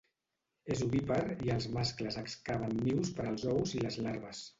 És ovípar i els mascles excaven nius per als ous i les larves.